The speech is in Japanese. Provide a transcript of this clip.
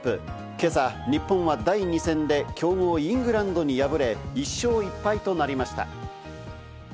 今朝、日本は第２戦で強豪イングランドに敗れ、１勝１敗となりました。